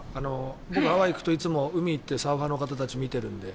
僕、ハワイに行くといつも海に行ってサーファーの方たちを見ているので。